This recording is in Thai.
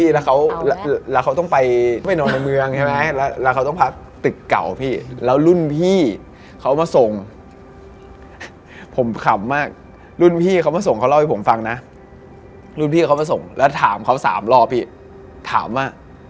เราก็กะว่าแบบใครมันซ่อมอะไรวะ